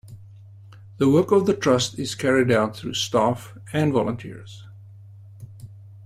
The work of the trust is carried out through staff and volunteers.